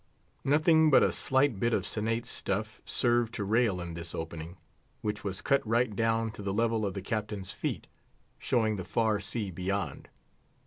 Nothing but a slight bit of sinnate stuff served to rail in this opening, which was cut right down to the level of the Captain's feet, showing the far sea beyond.